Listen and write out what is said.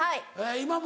今も？